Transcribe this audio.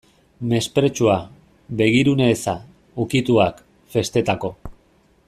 Mespretxua, begirune eza, ukituak, festetako.